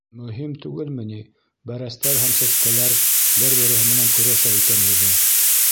Мөһим түгелме ни бәрәстәр һәм сәскәләр бер береһе менән көрәшә икәнлеге?